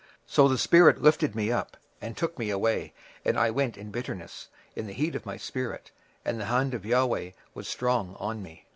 26:003:014 So the spirit lifted me up, and took me away, and I went in bitterness, in the heat of my spirit; but the hand of the LORD was strong upon me.